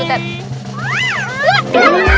udah tenang semuanya